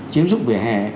chiếm dụng vỉa hè